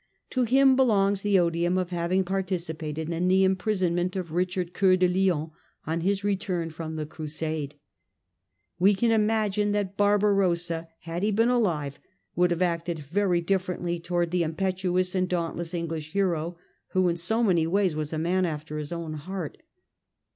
To him belongs the odium of having participated in the imprisonment of Richard Co3ur de Lion on his return from the Crusade. We can imagine that Barbarossa, had he been alive, would have acted very differently towards the impetuous and daunt less English hero, who in so many ways was a man after his own heart.